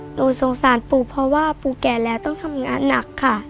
หนูสงสารปู่เพราะว่าปู่แก่แล้วต้องทำงานหนักค่ะ